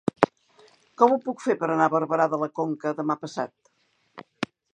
Com ho puc fer per anar a Barberà de la Conca demà passat?